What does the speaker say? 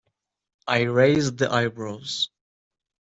I raised the eyebrows.